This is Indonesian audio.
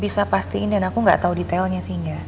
bisa pastiin dan aku gak tau detailnya sehingga